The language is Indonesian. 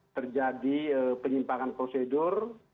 terjadi penyimpangan prosedur